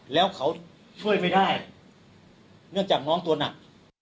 แล้วเขาช่วยไม่ได้เนื่องจากน้องตัวหนัก